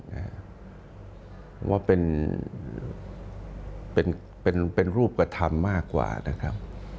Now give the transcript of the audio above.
ผมว่าเป็นรูปกฎธรรมมากกว่านะครับ